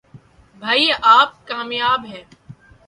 بھائی ایپ کامیاب ہے۔